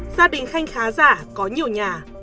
gia đình khanh khá giả có nhiều nhà